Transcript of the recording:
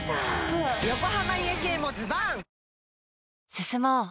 進もう。